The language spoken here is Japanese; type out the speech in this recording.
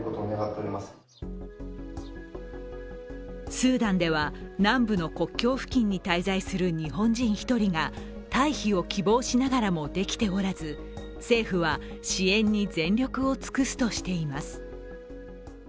スーダンでは、南部の国境付近に滞在する日本人１人が退避を希望しながらもできておらず、政府は支援に全力を尽くすとしています。